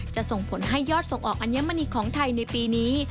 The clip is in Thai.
ส่งผลให้ยอดส่งออกอัญมณีของไทยในปีนี้